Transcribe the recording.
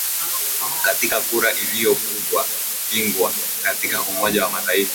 katika kura iliyopugwa pigwa katika umoja wa mataifa